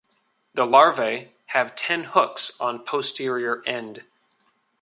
The larvae have ten hooks on posterior end.